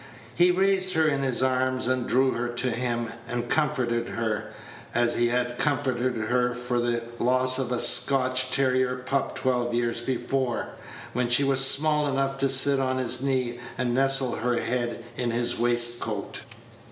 He raised her in his arms, and drew her to him, and comforted her, as he had comforted her for the loss of a Scotch terrier pup twelve years before, when she was small enough to sit on his knee, and nestle her head in his waistcoat.